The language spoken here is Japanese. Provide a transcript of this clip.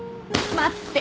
待って！